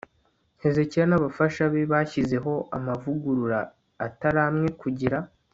hezekiya n'abafasha be bashyizeho amavugurura atari amwe kugira